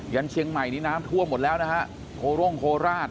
ันเชียงใหม่นี้น้ำท่วมหมดแล้วนะฮะโคร่งโคราช